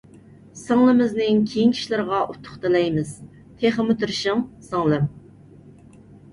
سىڭلىمىزنىڭ كېيىنكى ئىشلىرىغا ئۇتۇق تىلەيمىز، تېخىمۇ تىرىشىڭ سىڭلىم!